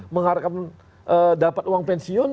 mengharapkan dapat uang pensiun